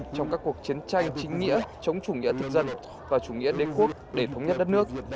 trong các cuộc chiến tranh chính nghĩa chống chủ nghĩa thực dân và chủ nghĩa đếm quốc để thống nhất đất nước